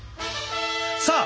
さあ